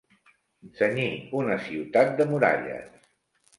Cenyir una ciutat de muralles.